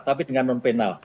tapi dengan non penal